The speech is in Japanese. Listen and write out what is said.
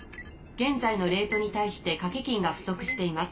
現在のレートに対して賭け金が不足しています。